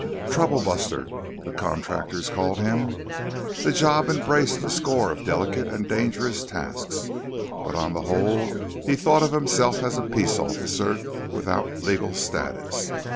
_ Troublebuster, the contractors called him. The job embraced a score of delicate and dangerous tasks, but on the whole he thought of himself as a peace officer without legal status.